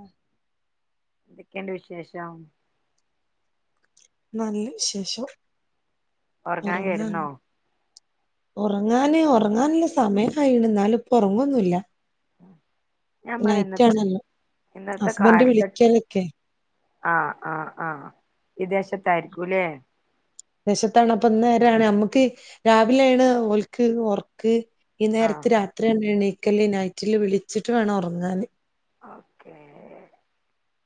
ആഹ് എന്തൊക്കെയുണ്ട് വിശേഷം നല്ല വിശേഷം ഉറങ്ങാൻ കെടന്നോ ഉറങ്ങാന് ഉറങ്ങാനുള്ള സമയൊക്കായിണു ന്നാലും പ്പൊറങ്ങൊന്നുല്ല ഞാൻ പറയാ ഇന്നത്തെ ഇന്നത്തെ ഹസ്ബൻഡ് കാലത്ത് വിളിക്കലൊക്കെ ആഹ് ആഹ് ആഹ് വിദേശത്തായിരിക്കൂലേ വിദേശത്താണ് അപ്പൊന്നേരാണ് നമ്മക്ക് രാവിലെെയാണ് ഓൽക്ക് ഒർക്ക് ആഹ് ഇന്നേരത്ത് രാത്രിയാണ് യണീ ല്ലേ നൈറ്റില് വിളിച്ചിട്ട് വേണം ഉറങ്ങാന് ഓക്കേ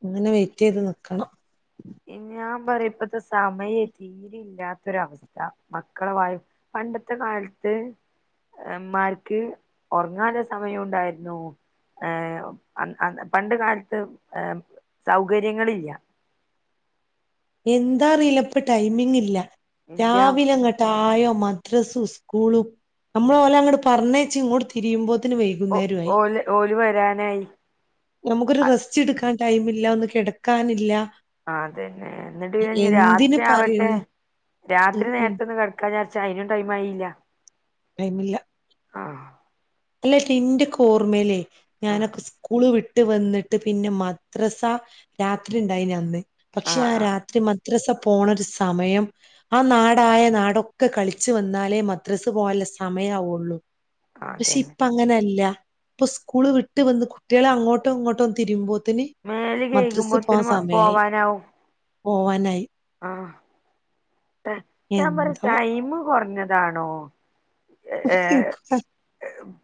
അങ്ങനെ വെയിറ്റെയ്ത് നിക്കണം ഞാൻ പറയ ഇപ്പത്തെ സമയെ തീരെ ഇല്ലാത്തൊരവസ്ഥ മക്കളെ വായ് പണ്ടത്തെ കാലത്ത് മ്മാര്ക്ക് ഒർങ്ങാള്ളെ സമയു ഉണ്ടായിരുന്നു ഏ അൻ ൻ പണ്ട കാലത്ത് ഏ സൗകര്യങ്ങളില്ല എന്താ അറിയില്ല ഇപ്പ ടൈമിങ് ഇല്ല ഇല്ല രാവിലെങ്ങട്ടാ ആയോ മദ്രസു സ്കൂളും ഉം നമ്മള് ഓലങ്ങട്ട് പറഞ്ഞേ ച്ച് ഇങ്ങോട്ട് തിരിയുമ്പോ ത്തിന് വൈകുന്നേരു ആയി ര് വരാനായി നമക്കൊരു അ റെസ്റ്റ് എട്ക്കാൻ ടൈമില്ല ഒന്ന് കൊടക്കാനില്ലാ ആ അതന്നെ എന്നിട്ട് പിന്നെ രാത്രി ആവട്ടെ പറയുന്ന് ഉം രാത്രി ഉം നേരത്തൊയെന്ന് കിടക്കാ പശെ അയിനും ടൈം ആയില്ല ടൈംമില്ലാ ആ അല്ലറ്റിന്റെക് ഓർമേലെ ആഹ് ഞാനൊക്കെ സ്കൂള് വി ഇട്ട് വന്നിട്ട് പിന്നെ മദ്രസ രാത്രി ണ്ടായിനി അന്ന് പക്ഷെ ആഹ് ആ ആഹ് രാത്രി മദ് മദ്രസാ പോണാ ഒര് സമയം ആ നാടായ നാടൊക്കെ കളിച്ച് വന്നാലേ മദ്രസ പോകാനുള്ള സമയ ആവെള്ളു പശെ അതന്നെ ഇപ്പം അങ്ങനല്ല ഇപ്പം സ്കൂള് വിട്ട് വന്ന് കുട്ടികളെ അങ്ങോട്ടോ ഇങ്ങോട്ടോ തിരുമ്പോ മേല് കഴ്ക്കുമ്പോത്തെന് മ പോവാനാവും പോവാനായി ആ ആ ഞാൻ പറയാ എന്തോ ടൈം കൊറഞ്ഞാന്ന് ഇതാണോ യെ ഇൻക്കും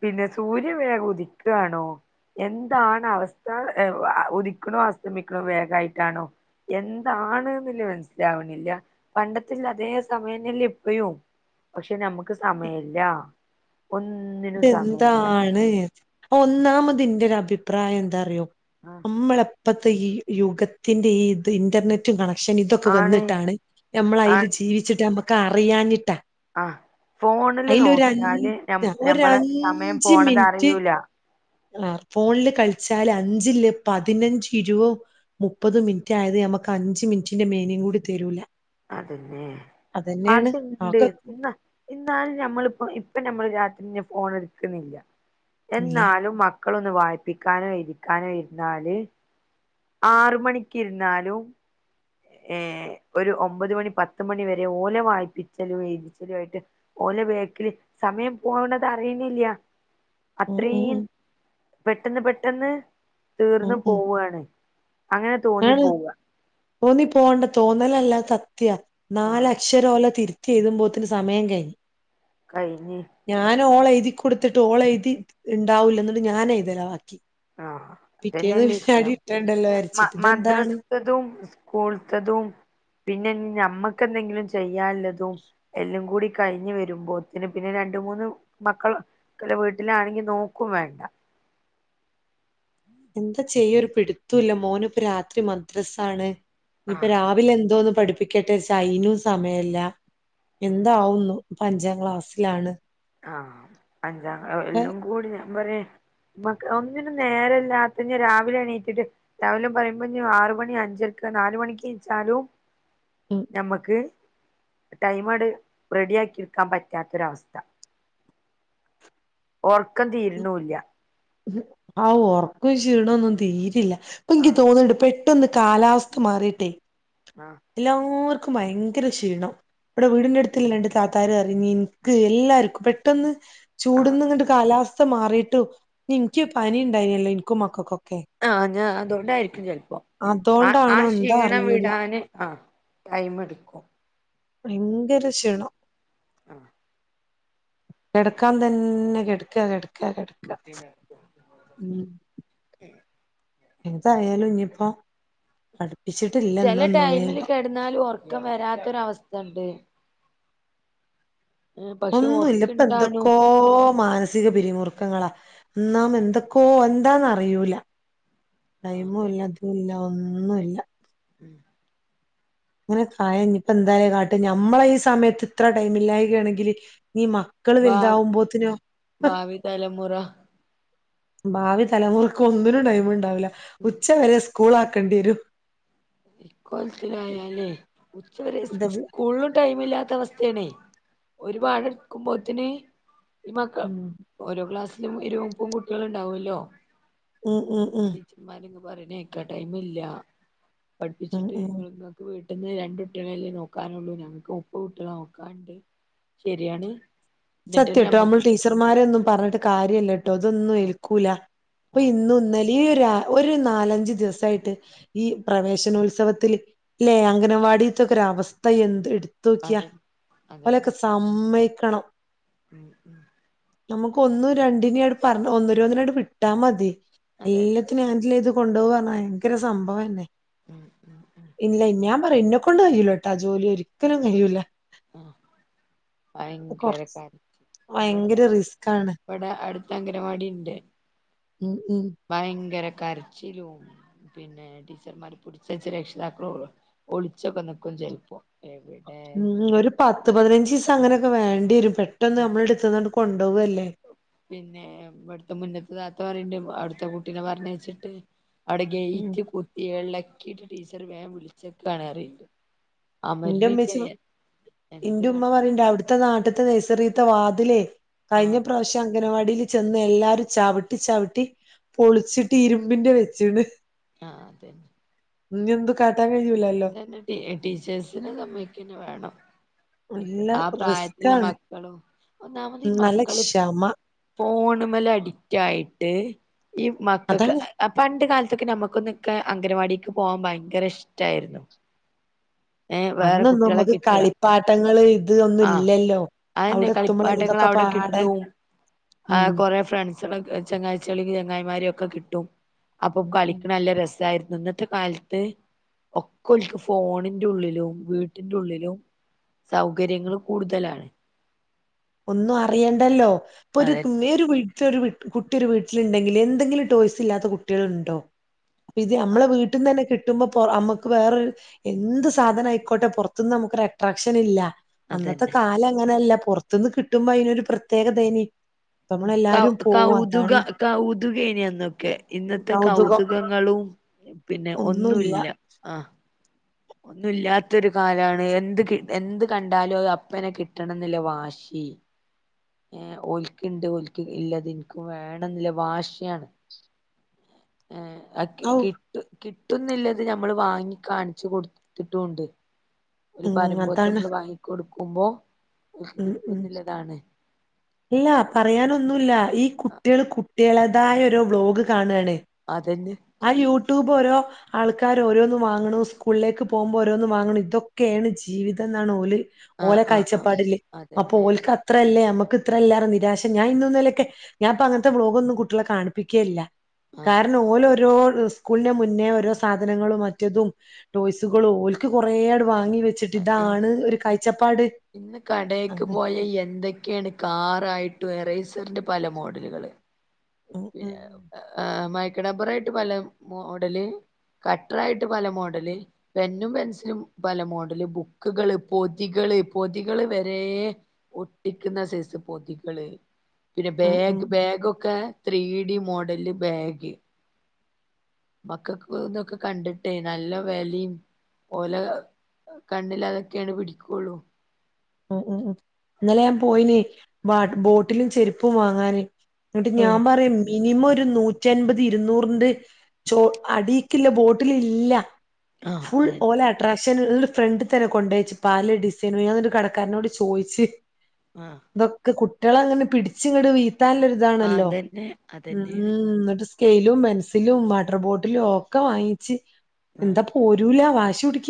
പിന്നെ സൂര്യൻ വേഗേതി ക്ക്ണോ എന്താണ് അവസ്ഥ യെ ഉദിക്കണും അസ്തമിക്കണും വേഗയായിട്ടാണോ എന്താണന്ന് മന ലാവുന്നില്ല പണ്ടത്തിൻ്റെ അതേ സമയല്ലയിപ്പഴം പശെ നമക്ക് നമ്മക്ക് സമയില്ല ഇതെന്താണ് എ ഒന്നാമത് എൻ്റെയെര് അഭിപ്രാ ഭിപ്രായം എന്താറിയോ നമ്മള് ഇപ്പത്തെ ഈ യുഗത്തിന്റെ ഈ ഇത് ഇന്റർനെറ്റ്‌ കണക് പക്ഷെന് ഇതൊക്കെ ആണ് വന്നിട്ടാണ് നമ്മള് അയില് ജീവിച്ചിട്ട് നമ്മ ക്ക്റിയാഞ്ഞിട്ടാ ആ, ഫോണില് നോക്കിയാല് ഞാൻ അഞ്ച് ഒരു നമ്മള് സമയം അഞ്ച് പോണത് മിനിറ്റ് അറിയൂല ആ ഫോണില് കളിച്ചാല് അഞ്ചില് പതിനഞ്ച് ഇരുവോ മുപ്പതോ മിനിറ്റ് ആയത്, ഞമ്മക്ക് അഞ്ച മിനിറ്റ് ന്റെ മേനേംകൂടി തരും അതന്നെ, അതുണ്ട് ആകൊ ഇന്ന, ഇന്നാളി ഞമ്മളിപ്പോ ഇപ്പൊ നമ്മള് രാത്രിന് ഫോൺ എടുക്കുന്നില്ല ഇല്ല എന്നാലും മ മക്കളൊന്ന് വായിപ്പിക്കാനോ, എഴീക്കാനോ ഇരുന്നാല് ആറ മണിക്കിരിന്നാലും. ഏ ഒരു ഒമ്പത് മണി, പത്ത് മണി വരെ ഓലെ വായിപ്പിച്ചലും എഴുതിച്ചലും ആയിട്ട് ഓലെ വേക്കില് സമയം പോകണ്ടത് അറിയുന്നില്ല ഉം ഉം അത്രേം ഉം പെട്ടെന്ന് പെട്ടെന്ന് തീർന്ന് ഉം ഉം പോവ്വാണ് അങ്ങനെ തോന്നി ആണ് പോവ തോന്നി പോണ്ട തോന്നലല്ല സത്യ ആഹ് നാലക്ഷരോല തിര് ചെയ്തുമ്പോത്തിന് സമയം കഴിഞ്ഞു കഴിഞ്ഞി ക്കെ ഓള എഴുതി കൊടുത്തിട്ട് ഓള എഴുതി ണ്ടാവുല്ല എന്നണ്ട് ഞാനെയുതല്ല ബാക്കി ആ പിറ്റേന്ന് അതന്നെല്ലേ പിന്നെ അടി കിട്ടണ്ടല്ലോ [unintelligible] വിചാരിച്ചിട്ട് ഇതെന്താണ് മദ്രാസതും കൂളുത്തതും പിന്നെ ഞമ്മക്ക് എന്തെങ്കിലും ചെ യ്യാല്ലതും എല്ലും കൂടി കഴിഞ്ഞ് വരുമ്പോത്തിന് പിന്നെ രണ്ട മൂന്ന് മക്കളില്ല വീട്ടിലാണെങ്കി നോക്കും വേണ്ടാ. എന്താ ചെയ്യാ ഒരു പിടുത്തൂല്ല മോനിപ്പ രാത്രി മദ്രസ ആണ്. ഇപ്പോ ആഹ് രാവിലെ എന്തോന്ന് പഠി പ്പിക്കട്ടേച്ചാ അയിനും സമയില്ല. ഉം എന്താവുന്നു പ്പ അഞ്ചാം ക്ലാസ്സിലാണ്. ആ അഞ്ചാ ഇപ്പ എല്ലും കൂടിയാ [unintelligible] മ്മക്ക് ഒന്നിനും നേരെല്ലാ പിന്നെ രാവിലെ ഏണീറ്റിട്ട് രാവിലെ പറയുമ്പോ ആറ് മണി അഞ്ചരക്ക് നാല് മണിക്ക് നീച്ചാലും ഞമ്മക്ക് ടൈമാട് റെഡിയാക്കി വെക്കാം പറ്റാത്തൊരവസ്ഥ. ഒറ ക്കം തീരനുല്ല്യാ. ആ ഉറക്കം ക്ഷീണൊന്നും തീരില്ല. ഇപ്പ എനിക്ക് ആഹ് തോന്നണ്ട് പെ ട്ടന്ന് കാലാവസ്ഥ മാറിയിട്ടേ [unintelligible] ആഹ് [unintelligible] ഭയങ്കര ക്ഷീണ ഇവിടെ വീടിന്റെ അടുത്തിൽ രണ്ട് താത്താര് പറഞ്ഞു എനിക്ക് എല്ലാർക്കും പെട്ടന്ന് ആഹ് ചൂടുന്ന ഇങ്ങട്ട് കാലാവസ് സ്ഥ മാറിയിട്ടും എനിക്ക് പനി ഉണ്ടായിനല്ലോ എനിക്കും മക്കൾക്കൊ ആഹ് ഞാൻ അതുകൊണ്ടായിരിക്കും ചിലപ്പോ ആ ആ അതോണ്ടാണോ എന്താ ക്ഷീണം അറിയൂല വിടാന് ആ ടൈംമെടുക്കും ഭയങ്കര ക്ഷീണം ആ കിടക്കാൻ തന്നെ കെടക്ക കെട ക്ക കെടക്ക്ക്ക ഉം എന്തായാലും ഇനിയിപ്പോ അഡ് ചെല ടൈമില് കിടന്നാലും ഉറക്കം വരാത്തൊരു അവസ്ഥണ്ട് പക്ഷെ ഒന്നുല്ല ഇപ്പൊ ഓർക്ക്ണ്ടാണു എന്തൊക്കയോ മാനസിക പിരിമുറുക്കങ്ങളാ എന്നാ എന്തൊക്കോ എന്താന്നറിയൂല്ല ടൈമും അതെ ഇല്ല അതുമില്ല ഒന്നുമില്ല ഉം അങ്ങനെ കായം ഇപ്പൊ എന്തായാ കാട്ട് ഞമ്മളെ ഈ സമയത്ത് ഇത്ര ടൈം ഇല്ലായികയാണെങ്കില് ഇനീ മക്കൾ ഭാ ഭാവി വലുതാവുമ്പത്തിനോ ഹ് ഭാവി തലമുറ ഭാവി തലമുറക്ക് ഒന്നിനും ടൈമു ണ്ടാവില്ല ഉം ഉച്ച വരെ സ്‌ സ്കൂൾ ആക്കേണ്ടിവരും ഇക്കോലത്തിലായാലേ ഉച്ചവരെ ഇത് സ്‌ സ്കൂളുടൈം ഒന്നുമില്ലാത്ത അവസ്ഥയാണേ ഒരുപാട് [unintelligible] ഇ മക്കൾ ഉം ഓരോ ക്ലാസ് [unintelligible] കുട്ടികൾ ഉണ്ടാവുമല്ലോ ഉംഉംഉം പറയുന്നകേക്കാ ടൈമില്ല ഉം പഠിപ്പിച്ചിട്ട് ഉം നിങ്ങൾക്കക്കെ വീട്ട് ഇന്ന് രണ്ട് കുട്ടികളേയല്ലേ നോക്കാനുള്ളൂ ഞങ്ങക്ക് മുപ്പത് കുട്ടികളെ നോക്കാനുണ്ട്. ശരിയാണ് എന്നിട്ട് സത്യംട്ടോ നമ്മ നമ്മൾ ടീച്ചർമാരെ ഒന്നും പറഞ്ഞിട്ട് കാര്യമല്ല ട്ടോ അതൊന്നും ആ ഏൽക്കൂല ഇപ്പൊ ആ ഇന്ന് ഇന്ന് ഈ രാ ഒരു നാലഞ്ചു ദിവസായിട്ട് ഈ പ്രവേശനോത്സവത്തിൽ ല്ലെ അംഗനവാടിത്തൊക്കെ ഒരു അവസ്ഥ എന്ത് എടു തോക്കിയാ അതെ ഓലൊക്കെ അതന്നെ സമ്മയി ക്കണം ഉം ഉം നമുക്ക് ഒന്നും രണ്ടിനനേം [unintelligible] വിട്ടാ മതി അതന്നെ എല്ലാത്തിനേം ഹാൻഡില് ചെയ്ത് കൊണ്ടുപോകാന ഭയങ്കര സംഭവംന്നെ ഉം ഉം ഉം ഇല്ല ഞാൻ പറ ഇന്നെക്കൊണ്ട് കഴയൂലാട്ടൊ ആ ജോലി ഒരിക്കലും കഴിയൂല ആ കൊറച്ച് ഭയങ്കരക്കാരാ ഇവിടെ ത ഭയങ്കര റിസ്ക്കാണ് ഇവിടെ അടുത്ത അങ്കനവാടി ഉണ്ട് ഉം ഉം ഭയങ്കര കരച്ചിലും പിന്നെ ടീച്ചർമാര് പിടിച്ച് വച്ച് രക്ഷിതാക്കൾ ഒളിച്ചൊക്കെ നിക്കും ചെലപ്പോ ഉം ഒരു പത്ത് പതിനഞ്ച് ദിവസം അങ്ങനെയൊക്കെ വേ ണ്ടി വരും പെട്ടെന്ന് ആ നമ്മളുടെ എടുത്തേതാണ്ട് പിന്നെ ഇവിടുത്തെ മുന്നൽത്തെ താ ത്ത പറണ്ട് അവിടുത്തെ കുട്ടീനെ പറഞ്ഞയച്ചിട്ട് ആടെ ഉം ഗേറ്റ് കുത്തി എള ക്കിട്ട് ടീച്ചർ വേഗം വിളിച്ച പറയണുണ്ട് എന്റെ ഉമ്മ എന്ത് എന്റെ ഉമ്മ കാട്ടി പറയണ്ട് അവിടുത്തെ നാട്ടത്തെ നൈസറി ത്തെ വാതിലേ കഴിഞ്ഞ ആഹ് പ്രാവശ്യം അംഗനവാടി വാടീൽ ചെന്ന എല്ലാരും ചവിട്ടി ചവിട്ടി പൊളിച്ചിട്ട് ഇരുമ്പിന്റെ വെച്ചൂന്ന്‌ ആ അതന്നെ ഇനിയെന്ത് കാ ന്നെ ടീച്ചേഴ്സ് സിനെ സമ്മതിക്കെ തന്നെ വേണം നല്ല ആ പ്രായത്തിലുള്ള റിസ്ക്കാണ്. മക്കളോ ഒന്നാമത് ഈ ഉം, നല്ല മക്കള് ക്ഷമ ഫോൺ ണുമല് അഡിക്റ്റ് ആയിട്ട് ഈ മക്കൾക്ക് അതാണ് പണ്ട് കാല അന്നൊക്കെ നമുക്കൊന്നൊക്കെ അൻഗനവാടിക്ക് പോവാൻ ഭയങ്കര ഇഷ് ടായിരുന്നു ഏ വേറെ അന്നൊന്നും കുട്ട്യാളെ നമ്മക്ക് കിട്ട കളിപ്പാട്ടങ്ങള് ഇത് ഒന്നും ആ ഇല്ലല്ലോ. അതെന്നെ അവിടെ എത്തുമ്പളല്ലേ കളിപ്പാട്ടങ്ങള് ഇതൊക്കെ അവിടെ പാടെ കിട്ടും അ ഉം കൊറെ ഫ്രണ്ട്സാൽ ചെങ്ങായ്ചാളേം ചെങ്ങായിമാരേം ഒക്കെ കിട്ടും അപ്പൊ ഉം ഉം. കളിക്ക്ണല്ല രസായി ഇന്നത്തെ കാലത്ത് ഒക്കെ ഓല്ക് ഫോൺ ന്റെ ഉള്ളിലും വീട്ടിന്റെ ഉള്ളിലും സൗകര്യങ്ങൾ കൂടുതലാണ് ഒന്നും അറിയണ്ടല്ലോ ഇപ്പൊര് അതെ [unintelligible] ത്ത് ഒരു കുട്ടി ഒരു വീട്ടിലുണ്ടെങ്കിൽ എന്തെങ്കലും ടോയ്സ് ഇല്ലാത്ത കുട്ട്യാളുണ്ടോ ഇത് നമ്മള വീട്ടീന്ന് തന്നെ കി ട്ടുമ്പോ നമ്മുക്ക് വേറൊ എന്ത് സാധനം ആയിക്കോട്ടെ പുറത്തുന്ന് നമുക്കൊരു അട്രാക്ഷൻ ഇല്ല അന്നത്തെ അതന്നെ കാലം അങ്ങനെയല്ല തിന്ന് കിട്ടുമ്പോ അയിനൊരു പ്രത്യേക ഇതേനി കൗ കൗതുക കൗതുകേനന്നൊക്കെ ഇന്നത്തെ കൗതുകം കൗതുകങ്ങളും പിന്നെ ഒന്നുല്ല അ ഒന്നുല്ലാത്ത ഒരു കാലാണ് എന്ത് കി എന്ത് കണ്ടാലും അത് അപ്പനെ കിട്ടണം എന്നുള്ള വാശി ഏ ഓൽക്ക്ണ്ട് ഒൽക്ക് ഇള്ളത് ഇൻക്കും വേണം ന്നുള്ള വാശിയാണ് ഏ അഅ് കി ഔ കിട്ടു കിട്ട് കിട്ടുന്നില്ലത് നമ്മള് വാങ്ങിക്കാണി ച്ചു കൊടുത്തിട്ടൂണ്ട് ഓല് ഉം പറയുമ്പോത്തി അതാണ് നമ്മള് വ വാങ്ങിക്കൊടു ഉമ്പോ ഉം ഉം ഇല്ല പറയാനൊന്നുല്ല ഈ കുട്ട്യേള് കുട് കുട്ട്യേളാതായ ഓരോ വ്ളോഗ് കാണാണ് അതന്നെ ആ യൂട്യൂബ് ഇപ്പൊ ഓരോ ആൾക്കാര് ഓരോന്ന് വാങ്ങണഉം സ്കൂളിലേക്ക് പോകുമ്പോ ഓരോന്ന് വാങ്ങ് ണ് ഇതൊക്കേണ് ജീവിതം ന്നാണ് ഓല് ഓല ആഹ് ആഹ് ആഹ് കാഴ്ചപ്പാടില് അപ്പൊ അതന്നെ ഓൽക്ക് അത്ര അല്ലേ നമ്മക്ക് ഇത്രല്ലാറ് നിരാശ ഞാ ഇന്നു ഇന്നെലൊക്കെ ഞാപ്പൊ അങ്ങനത്തെ വ്ലോഗൊന്നും കുട്ടികളെ കാണിപ്പിക്കേയില്ല ആഹ് കാരണം ഓലോ ഓരോ ഇസ്കൂളിൻ്റെ മുന്നേ ഓരൊസാധനങ്ങളും മറ്റതും ടോയ്സുകളും ഓൽക്ക് കൊറേ ആട് വാങ്ങി വെച്ചിട്ട് ഇതാണ് ഒരു കാഴ്ചപ്പാട് ഇന്ന് കടേക്ക് അങ്ങനെ പോയ എന്തൊക്കേണ് കാറായിട്ടും എറേസ് ർറിന്റെ പല മോഡലുകള് ഉം ഉം [unintelligible] മൈക്കറബറായിട്ട് പല മോഡല് കട്ടറായിട്ട് പല മോഡല് പെന്നും പെൻസിലും പല മോഡല് ബുക്കുകള് പൊതികള് പൊതികള് വരേ ഒട്ടിക്ക്ന്ന സൈസ് പൊതികള് പിന്നെ ഉം ഉം ബാഗ് ബാഗൊക്കെ ത്രീ ഡി മോഡല് ബാഗ് മക്കൾക്ക് തൊക്കെ കണ്ടിട്ടെ നല്ല വെലിം ഓല കണ്ണില് അതൊക്കേണ് പിടിക്കുള്ളു ഉം ഉം ഉം ഇന്നലെ ഞാൻ പോയിന് വാട്ടർ ബോട്ടിലും ചെരുപ്പും വാങ്ങാന് എന്നിട്ട് ഞാൻ ആഹ് പറയും മിനിമം ഒരു നൂറ്റൻപത് ഇരുന്നൂറിന്റെ ചോ അടീക്കില്ല ബോട്ടിലില്ല ആഹ് ഫുൾ അതെ ഓലട്രാ പക്ഷെ [unintelligible] ഫ്രണ്ട് തന്നെ കൊണ്ടയച്ച് പാല ഡിസൈനു ഞാന്നിട്ട് കട ക്കാരനോട് ചോയ്ച്ച് ആഹ് ഇതൊക്കെ കു ട്ട്യോള അങ്ങനെ പിടിച്ചിങ്ങട്‌ വി ആഹ് ത്താല്ലൊരിതാണല്ലോ അതന്നെ ഉം അതന്നെയാണ് ഉം ന്നിട്ട് സ് സ്കെയിലും പെൻസിലും വാട്ടർ ബോട്ടിലും ഒക്കെ വാങ്ങിച്ച് ആഹ് എന്താ പോരൂല വാശിപിടി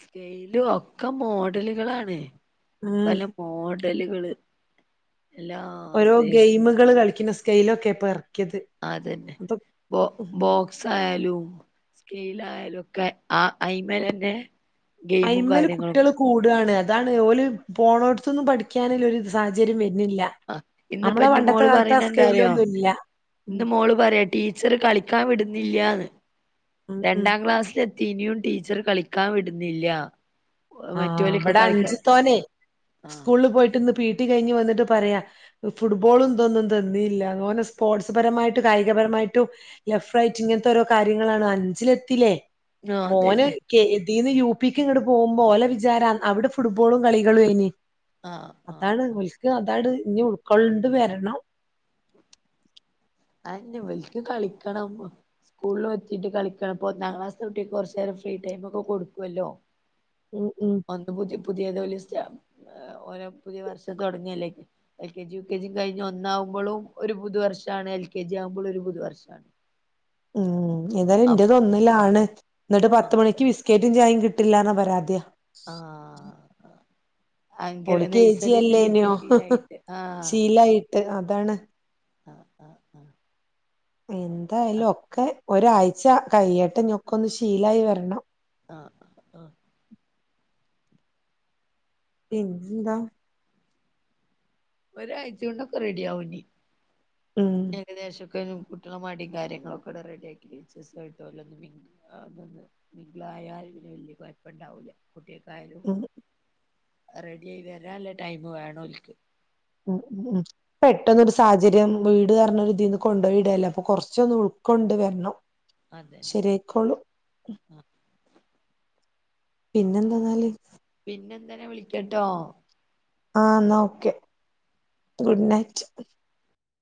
സ്കെയിലും ഒക്കെ മോഡലുകളാണ് ഉം തലെ പോ [unintelligible] ഡലുകള് ഓരോ ഗെയിമുകൾ കളിക്കുന്ന സ് കേയ്ലൊക്കെ ഇപ്പൊ എ അതന്നെ ബോ ബോക്സ് ആയാലും സ്കേയ്ലായാലോക്കെ ആ അയിമലന്നെ ഗെയിമും ഐമൽ കാര്യങ്ങളും കുട്ടിയെള് കൂടാണ് അതാണ് ഓല് പോണോ ട്ത്തൊന്നും പഠിക്കാനുല്ല ഒരു സാഹചര്യം വര് ആ ഇന്ന്പ്പ ഇന്റെ മോള് ആ പറയണ എന്താ അറിയോ സ്കെയിലൊന്നും ഇല്ല ഉം ഇന്ന് മോള് പറയാ ടീച്ചർ കളിക്കാൻ വിടുന്നില്ലാന്ന് ഉം ഉം രണ്ടാം ക്ലാസ്സില ത്തി ഇനിയും ടീച്ചർ കളിക്കാൻ വിടുന്നില്ല ആ മറ്റോലൊക്കെ അവിടെ കളിക്കാൻ അഞ്ച് തോനെ ആ സ്കൂളിൽ പോയിട്ട് ഇന്ന് പി ടി കഴിഞ് വന്നിട്ട് പറയാ ഫുട്ബോൾ ഇതൊന്നും തന്നീല്ല ഓന് സ്പോർട്സ് പരമായിട്ടും കായികപരമായിട്ടും ലെഫ്റ്റ് റൈറ്റ് ഇങ്ങനത്തെ ഓരോ കാര്യങ്ങളാണ് അഞ്ചിലെത്തില്ലേ ആ ഓന് അതന്നെ കെ ന്ന് യു പിക്ക്ങ്ങട് പോകു പോലെ വിചാരം അവിടെ ഫുട്ബോളും കളികളും ഏനി ആ ആ അതാണ് മുൽക് അതാണ് ഇനി ഉൾക്കൊള്ണ്ട് വരണം അതന്നെ ഇവൽക്ക് കളിക്കണം സ്കൂളിലു എത്തിട്ട് കളിക്കണം ഒന്നാം ക്ലാസ്ത്ത കുട്ടിയേക്ക് കൊറച്ചേരം ഫ്രീ ടൈമു ഒക്കെ കൊടുക്കുവല്ലോ ഉം ഉം ഒന്ന് പുത്യ പു [unintelligible] ഓരോ പുതിയ വർഷം തുടങ്ങിയല്ലേ എൽ കെ ജി യ കെ ജിം കഴിഞ് ഒന്നാവുമ്പളും ഒരു പുതു വർഷമാണ് എൽ കെ ജി ആകുമ്പോൾ ഒരു പുതുവർഷമാണ് ഉം ഇതില് ഇന്റെത് ഒന്നിലാണ് എന്നിട്ട് പത്ത് ആഹ് മണിക്ക് ബിസ്ക്കറ്റ് ും ചായിം കിട്ടില്ലാന്ന പരാതിയ ആഹ് ഭയങ്കര ഓള് കെ ജി നഴ്സറിന്ന് അല്ലേ കിട്ടിയ ന്യോ ശീലായിട്ട് ശീലായിട്ട് അതാണ് ആ ആ ആ എന്തായാലും ഒക്കെ ഒരാഴ്ച കയ്യിയട്ടെ ഞ്ഒക്കെഒന്ന് ശീലായി വരണം ആഹ് ആഹ് പിന്നന്താ ഒരാഴ്ച കൊണ്ടൊക്കെ റെഡി യാവു ഇനി ഉം എകദേശാക്കെയും കുട്ടികള മടിയും കാര്യങ്ങളൊക്കെ ഇവിടെ റെഡിയാക്കിട്ട് ടിചെസ്സുമായിട്ട് അവരൊന്നു മിന്ഗിളായാല് ഇ വല്യ കുഴപ്പ ഇണ്ടാവൂല്ല കുട്ടിയക്കായാലും ഉം റെഡി ആയി വരാ ഉള്ള ടൈം വേണോൽക്ക് ഉ ഉ ഉ പെട്ടെന്നൊരു സാഹചര്യം വീട് അറഞ്ഞത് ഇതിന്ന് കൊണ്ടുയിടലേ അപ്പൊ കൊറച്ചൊന്ന് ഉൾക്കൊണ്ട് വരണം അതന്നെ ശരിയായിക്കോളും പിന്നെന്താന്നാല് പിന്നെന്തനെ വിളിക്കട്ടോ ആ എന്നാ ഓക്കെ ഗുഡ് നൈറ്റ്